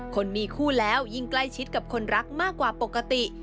คนมีคู่แล้วยิ่งใกล้ชิดกับคนรักมากกว่าปกติ